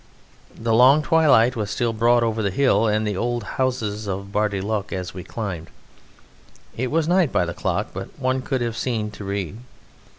The long twilight was still broad over the hill and the old houses of Bar le Duc, as we climbed. It was night by the clock, but one could have seen to read.